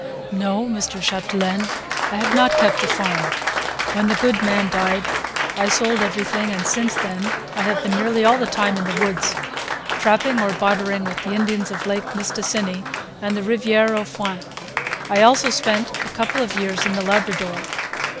"No, Mr. Chapdelaine, I have not kept the farm. When the good man died I sold everything, and since then I have been nearly all the time in the woods, trapping or bartering with the Indians of Lake Mistassini and the Riviere aux Foins. I also spent a couple of years in the Labrador."